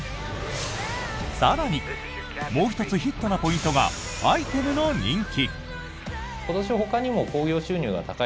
更にもう１つヒットなポイントがアイテムの人気。